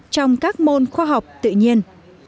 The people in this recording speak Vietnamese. trong các môn khoa học tự nhiên